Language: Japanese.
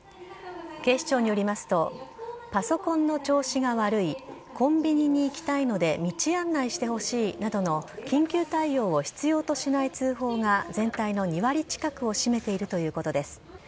警視庁によりますと、パソコンの調子が悪い、コンビニに行きたいので道案内してほしいなどの、緊急対応を必要としない通報が全体の２割近くを占めているということです。